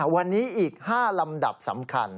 วันนี้อีก๕ลำดับสำคัญ